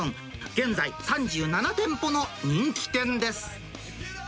現在、３７店舗の人気店です。